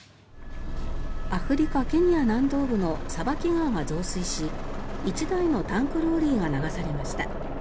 アフリカ・ケニア南東部のサバキ川が増水し１台のタンクローリーが流されました。